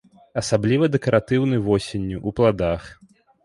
Асабліва дэкаратыўны восенню, у пладах.